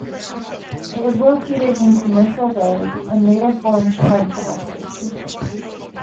It was located in Commercial Road and later formed part of the bus station.